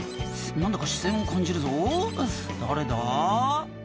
何だか視線を感じるぞ誰だ？」